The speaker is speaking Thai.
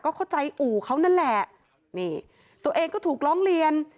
เข้าใจอู่เขานั่นแหละนี่ตัวเองก็ถูกร้องเรียน